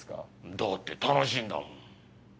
だって楽しいんだもん。